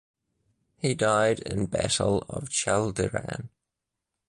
He died in Battle of Chaldiran.